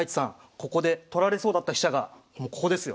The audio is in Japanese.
ここで取られそうだった飛車がもうここですよ。